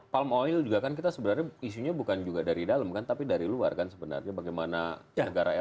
palm oil juga kan kita sebenarnya isunya bukan juga dari dalam kan tapi dari luar kan sebenarnya bagaimana negara eropa